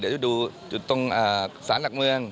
เดี๋ยวดูจุดตรงสารหลักเมือง